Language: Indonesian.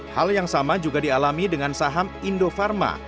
hal yang sama juga dialami dengan saham indofarma